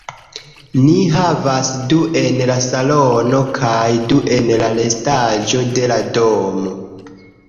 Ni havas du en la salono kaj du en la restaĵo de la domo.